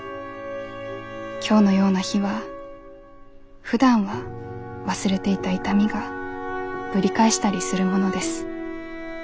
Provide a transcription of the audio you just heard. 今日のような日はふだんは忘れていた痛みがぶり返したりするものです。